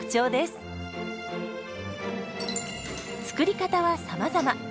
作り方はさまざま。